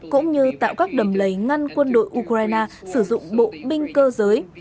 cũng như tạo các đầm lầy ngăn quân đội ukraine sử dụng bộ binh cơ giới